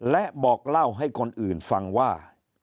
และบอกเล่าให้คนอื่นฟังว่า